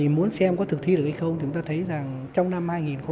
muốn xem có thực thi được hay không chúng ta thấy rằng trong năm hai nghìn một mươi sáu